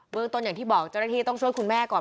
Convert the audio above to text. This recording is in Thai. เมืองต้นอย่างที่บอกเจ้าหน้าที่ต้องช่วยคุณแม่ก่อน